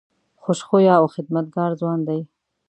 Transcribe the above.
خوش خویه او خدمتګار ځوان دی.